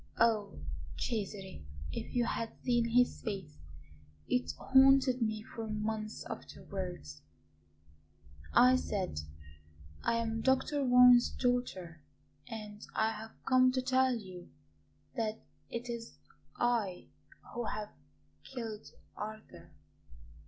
Oh, Cesare, if you had seen his face it haunted me for months afterwards! I said: 'I am Dr. Warren's daughter, and I have come to tell you that it is I who have killed Arthur.'